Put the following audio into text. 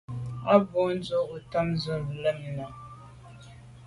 A bwô ndù o tum dù’ z’o lem nà.